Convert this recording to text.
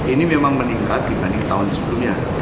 ini memang meningkat dibanding tahun sebelumnya